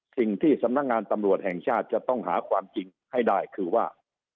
สิ่งที่สำนักงานตำรวจแห่งชาติจะต้องหาความจริงให้ได้คือว่า